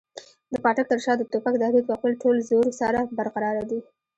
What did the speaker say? د پاټک تر شا د توپک تهدید په خپل ټول زور سره برقراره دی.